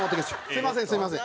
すみませんすみません。